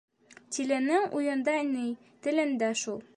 Тиленең уйында ни, телендә шул.